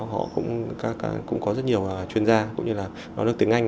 họ cũng có rất nhiều chuyên gia cũng như là nói được tiếng anh